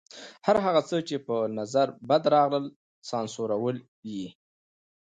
هر هغه څه چې په نظر بد راغلل سانسورول یې.